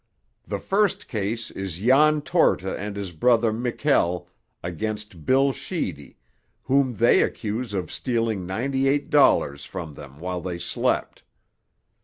The first case is Jan Torta and his brother Mikel against Bill Sheedy, whom they accuse of stealing ninety eight dollars from them while they slept."